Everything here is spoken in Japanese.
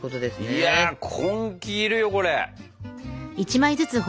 いや根気いるよこれ。